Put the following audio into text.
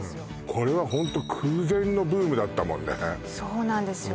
これはホント空前のブームだったもんねそうなんですよ